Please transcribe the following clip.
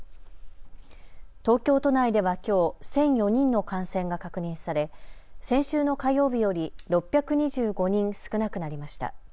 東京都内ではきょう１００４人の感染が確認され先週の火曜日より６２５人少なくなりました。